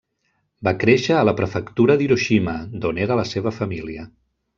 Va créixer a la Prefectura d'Hiroshima, d'on era la seva família.